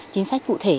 chính sách cụ thể